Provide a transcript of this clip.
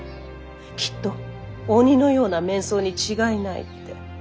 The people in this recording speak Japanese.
きっと鬼のような面相に違いないって。